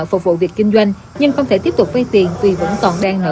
phục vụ việc kinh doanh nhưng không thể tiếp tục vây tiền vì vẫn còn đang nợ